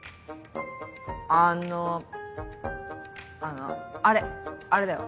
あのあのあれあれだよ。